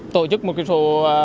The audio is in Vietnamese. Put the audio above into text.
tổ chức một số